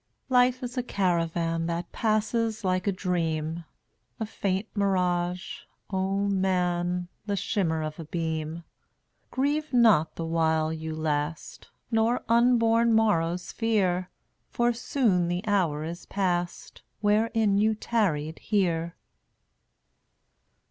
©mar eun<$ Life is a caravan That passes like a dream, A faint mirage, O man, The shimmer of a beam. Grieve not the while you last, Nor unborn morrows fear, For soon the hour is past Wherein you tarried here.